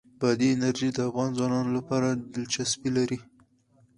بادي انرژي د افغان ځوانانو لپاره دلچسپي لري.